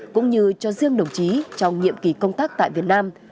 cũng như cho riêng đồng chí trong nhiệm kỳ công tác tại việt nam